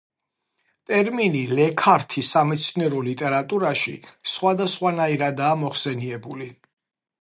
ტერმინი „ლექართი“ სამეცნიერო ლიტერატურაში სხვადასხვანაირადაა მოხსენებული.